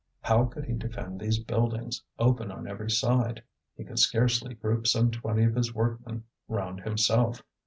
How could he defend these buildings, open on every side? he could scarcely group some twenty of his workmen round himself.